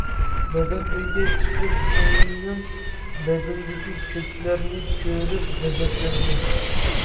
دادام ئۆيگە چىقىپ سىڭلىمنىڭ بەدىنىدىكى كۆكلەرنى كۆرۈپ غەزەپلەندى.